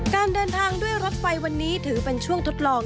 การเดินทางด้วยรถไฟวันนี้ถือเป็นช่วงทดลอง